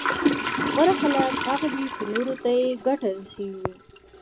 غوره خلک هغه دي چي نورو ته يې ګټه رسېږي